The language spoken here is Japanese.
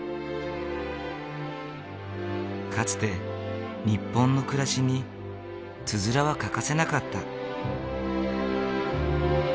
かつて日本の暮らしにつづらは欠かせなかった。